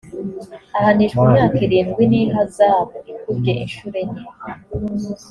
ahanishwa imyaka irindwi n’ihazabu ikubye inshuro enye